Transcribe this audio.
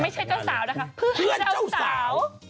ไม่ใช่เจ้าสาวนะคะเพื่อนเจ้าสาว